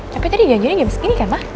tapi tadi gangguannya jam segini kan mah